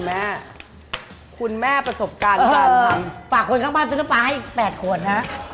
แม่คนให้ประสบการณ์ผ่านคนข้างบ้านปลาให้แปดขวดนะ